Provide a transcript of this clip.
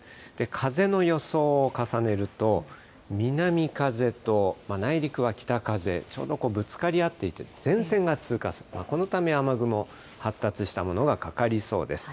風の予想を重ねると、南風と内陸は北風、ちょうどぶつかり合っていて、前線が通過する、このため、雨雲、発達した雨雲がかかりそうです。